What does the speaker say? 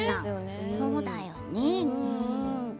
そうだよね。